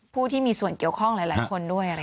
ผู้ที่มีส่วนเกี่ยวข้องหลายคนด้วย